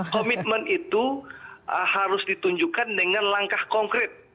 komitmen itu harus ditunjukkan dengan langkah konkret